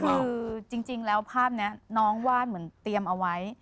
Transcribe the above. คือจริงแล้วภาพนี้น้องวาดเหมือนเตรียมเอาไว้